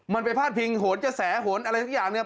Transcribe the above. มันไปพลาดพิงโหนจะแสะโหนอะไรสักอย่าง